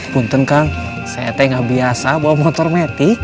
bukankah kang saya gak biasa bawa motor metik